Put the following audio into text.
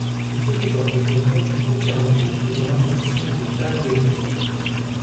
Le territoire du canton est entièrement inclus dans l'arrondissement de Thann-Guebwiller.